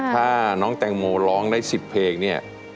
ถ้าน้องแตงโมร้องได้๑๐เพลงเนี่ย